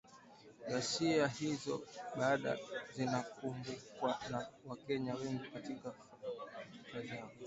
Ghasia hizo bado zinakumbukwa na Wakenya wengi katika fikra zao.